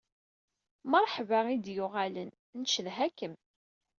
Mreḥba i d-yuɣalen. Ncedha-kem!